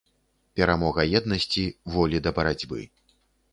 Перамога еднасці, волі да барацьбы.